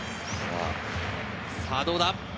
さぁ、どうだ？